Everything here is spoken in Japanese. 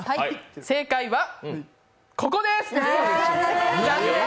正解はここです！